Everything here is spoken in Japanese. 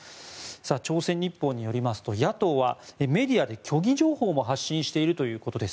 朝鮮日報によりますと野党はメディアで虚偽情報も発信しているということです。